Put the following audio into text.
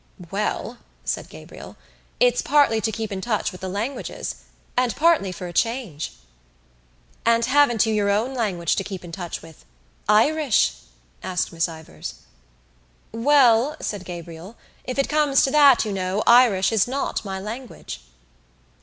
"Well," said Gabriel, "it's partly to keep in touch with the languages and partly for a change." "And haven't you your own language to keep in touch with—Irish?" asked Miss Ivors. "Well," said Gabriel, "if it comes to that, you know, Irish is not my language."